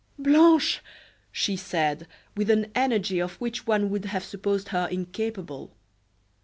"Blanche!" she said, with an energy of which one would have supposed her incapable.